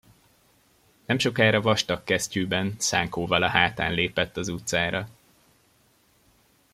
Nemsokára vastag kesztyűben, szánkóval a hátán lépett az utcára.